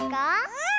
うん！